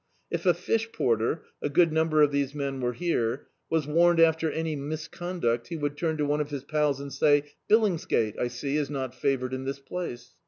If a fi^ porter — a good number of these men were here — was warned after any misconduct, he would turn to erne of his pals and say — "Billingsgate, I see, is not favoured in this place."